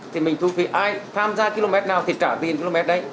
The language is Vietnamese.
thì mình thu phí ai tham gia một km nào thì trả tiền một km đấy